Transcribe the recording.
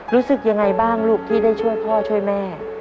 รู้สึกยังไงบ้างลูกที่ได้ช่วยพ่อช่วยแม่